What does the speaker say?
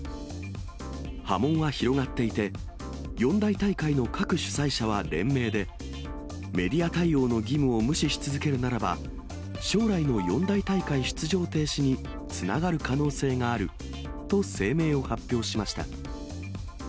波紋は広がっていて、四大大会の各主催者は連名で、メディア対応の義務を無視し続けるならば、将来の四大大会出場停止につながる可能性があると声明を発表しました。